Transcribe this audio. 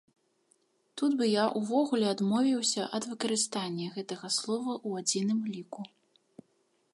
Тут бы я ўвогуле адмовіўся ад выкарыстання гэтага слова ў адзіным ліку.